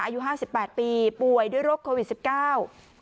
อายุห้าสิบแปดปีป่วยด้วยโรคโควิดสิบเก้า